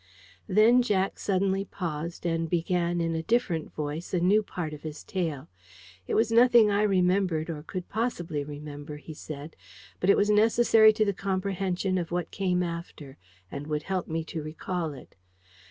Then Jack suddenly paused, and began in a different voice a new part of his tale. It was nothing I remembered or could possibly remember, he said; but it was necessary to the comprehension of what came after, and would help me to recall it.